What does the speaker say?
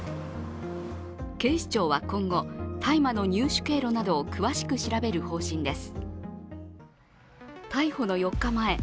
警視庁は今後大麻の入手経路などを詳しく調べる方針です。